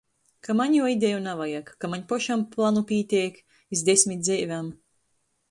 Ka maņ juo ideju navajag, ka maņ pošam planu pīteik iz desmit dzeivem.